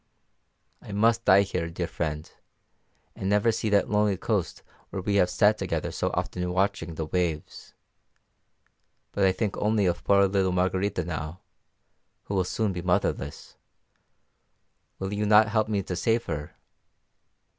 I must die here, dear friend, and never see that lonely coast where we have sat together so often watching the waves. But I think only of poor little Margarita now, who will soon be motherless: will you not help me to save her?